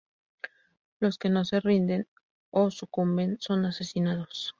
Los que no se rinden o sucumben, son asesinados.